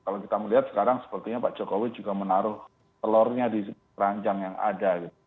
kalau kita melihat sekarang sepertinya pak jokowi juga menaruh telurnya di ranjang yang ada